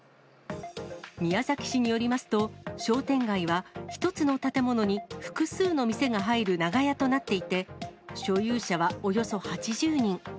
宮崎市によりますと、商店街は１つの建物に複数の店が入る長屋となっていて、所有者はおよそ８０人。